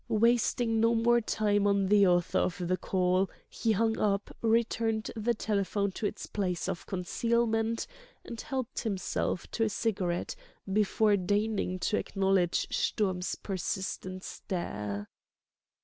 Wasting no more time on the author of the call, he hung up, returned the telephone to its place of concealment, and helped himself to a cigarette before deigning to acknowledge Sturm's persistent stare.